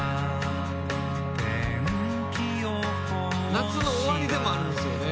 夏の終わりでもあるんですよね